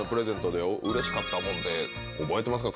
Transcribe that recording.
覚えてますか？